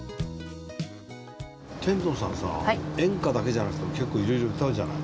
天童さんさ演歌だけじゃなくて結構色々歌うじゃない？